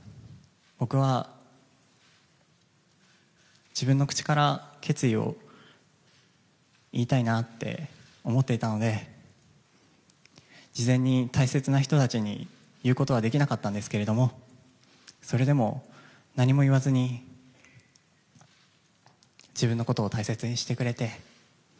僕は自分の口から決意を言いたいなって思っていたので事前に大切な人たちに言うことはできなかったんですけどそれでも何も言わずに自分のことを大切にしてくれて。